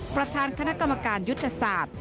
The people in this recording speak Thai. ประธานคณะกรรมการยุทธศาสตร์